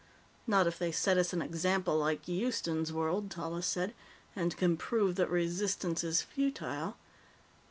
"Not if they set us an example like Houston's World," Tallis said, "and can prove that resistance is futile.